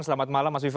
selamat malam mas wifa